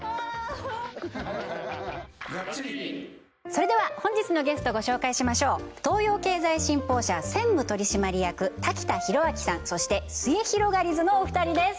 それでは本日のゲストご紹介しましょう東洋経済新報社専務取締役田北浩章さんそしてすゑひろがりずのお二人です